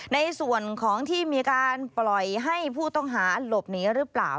ในส่วนของที่มีการปล่อยให้ผู้ต้องหาหลบหนีหรือเปล่า